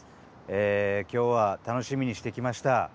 今日は楽しみにしてきました。